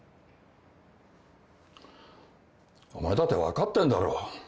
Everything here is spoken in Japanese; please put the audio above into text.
お前だって分かってんだろ。